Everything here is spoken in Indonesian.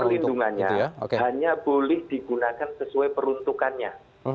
perlindungannya hanya boleh digunakan sesuai peruntukannya